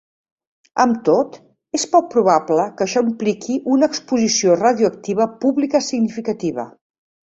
Amb tot, és poc probable que això impliqui una exposició radioactiva pública significativa.